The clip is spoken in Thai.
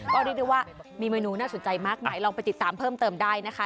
ก็เรียกได้ว่ามีเมนูน่าสนใจมากไหนลองไปติดตามเพิ่มเติมได้นะคะ